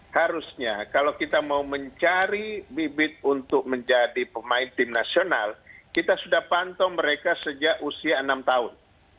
harusnya kalau kita mau mencari bibit untuk menjadi pemain tim nasional kita sudah pantau mereka sejak usia enam tahun